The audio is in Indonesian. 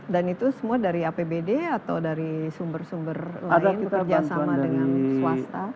dan itu semua dari apbd atau dari sumber sumber lain bekerja sama dengan swasta